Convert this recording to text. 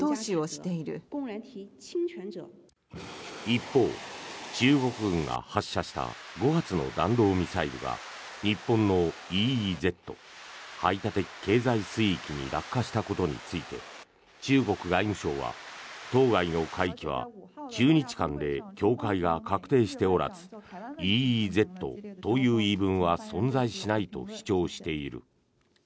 一方、中国軍が発射した５発の弾道ミサイルが日本のＥＥＺ・排他的経済水域に落下したことについて中国外務省は、当該の海域は中日間で境界が確定しておらずＥＥＺという言い分は存在しないと主張している。